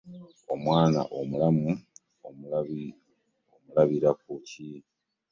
omwana omulamu omulabira ku ki?